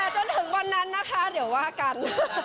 จนถึงวันนั้นนะคะเดี๋ยวว่ากัน